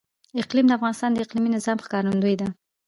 اقلیم د افغانستان د اقلیمي نظام ښکارندوی ده.